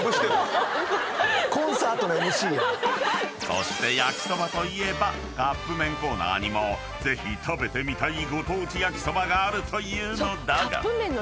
［そして焼きそばといえばカップ麺コーナーにもぜひ食べてみたいご当地焼きそばがあるというのだが］